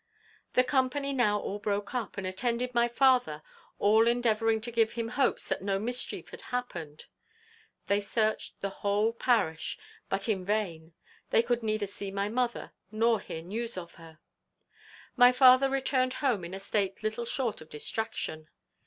The company now all broke up, and attended my father, all endeavouring to give him hopes that no mischief had happened. They searched the whole parish, but in vain; they could neither see my mother, nor hear any news of her. My father returned home in a state little short of distraction.